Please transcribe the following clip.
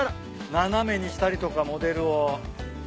斜めにしたりとかモデルを。